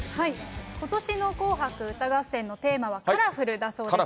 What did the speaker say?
ことしの紅白歌合戦のテーマはカラフルだそうです。